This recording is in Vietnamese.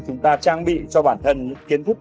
chúng ta trang bị cho bản thân kiến thúc